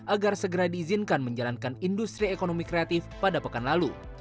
agar segera diizinkan menjalankan industri ekonomi kreatif pada pekan lalu